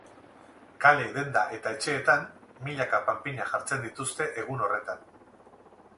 Kale, denda eta etxeetan milaka panpina jartzen dituzte egun horretan.